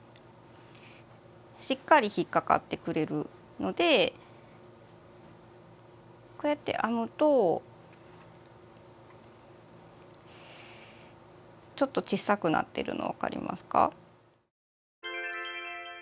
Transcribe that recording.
しっかり引っ掛かってくれるのでこうやって編むとちょっと小さくなってるの分かりますか？